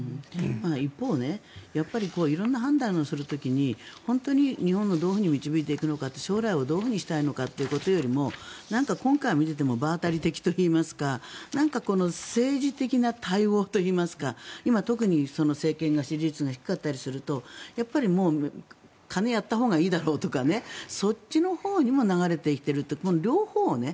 一方色んな判断をする時に本当に日本をどういうふうに導いていくのかとか将来をどういうふうにしたいのかということよりも今回を見ていても場当たり的というか政治的な対応といいますか今、特に政権が支持率が低かったりすると金やったほうがいいだろうとかそっちのほうに流れてきてるというこの両方をね